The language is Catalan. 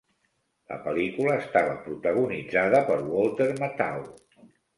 La pel·lícula estava protagonitzada per Walter Matthau.